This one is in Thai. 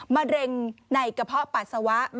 มะเร็งในกระเพาะปัสสาวะ